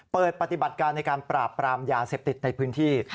เปิดปฏิบัติการในการปราบปรามยาเสพติดในพื้นที่